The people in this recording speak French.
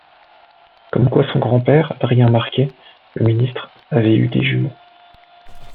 Comme quoi son grand-père, Adrien Marquet, le ministre, avait eu des jumeaux.